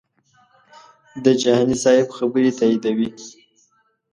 د جهاني صاحب خبرې تاییدوي.